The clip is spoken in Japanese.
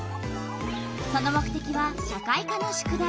その目てきは社会科の宿題。